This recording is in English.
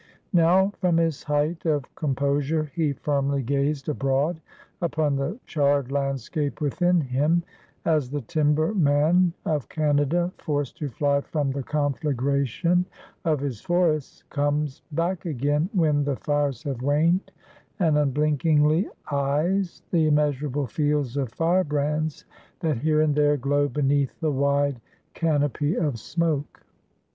Now, from his height of composure, he firmly gazed abroad upon the charred landscape within him; as the timber man of Canada, forced to fly from the conflagration of his forests, comes back again when the fires have waned, and unblinkingly eyes the immeasurable fields of fire brands that here and there glow beneath the wide canopy of smoke.